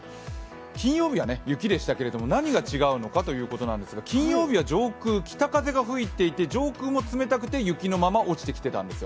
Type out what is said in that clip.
金曜日は雪でしたが何が違うのかということですが金曜日は上空、北風が吹いていて上空も冷たくて雪のまま落ちてきてたんですよ。